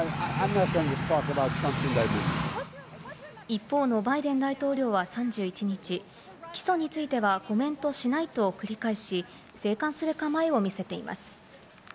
一方のバイデン大統領は３１日、起訴についてはコメントしないと繰り返し、静観する構えを見せています。